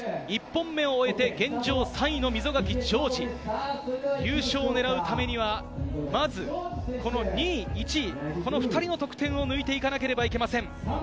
１本目を終えて、現状３位の溝垣丈司。優勝を狙うためには、まず２位、１位、この２人の得点を抜いていかなければいけません。